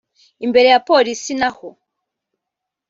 Imbere ya Polisi na ho